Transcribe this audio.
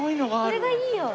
これがいいよ。